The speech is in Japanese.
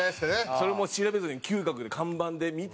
それも調べずに嗅覚で看板で見て。